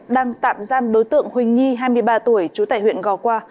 đang tạm giam đối tượng huỳnh nhi hai mươi ba tuổi trú tại huyện gò qua